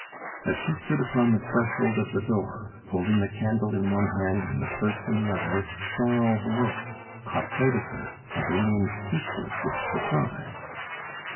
As she stood upon the threshold of the door, holding the candle in one hand and the purse in the other, Charles woke, caught sight of her, and remained speechless with surprise.